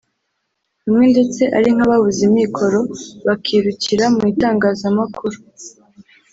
bamwe ndetse ari nk’ababuze imikoro bakirukira mu itangazamakuru